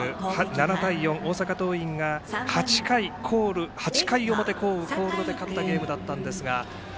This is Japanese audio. ７対４、大阪桐蔭が８回降雨コールドで勝ったゲームだったんですが。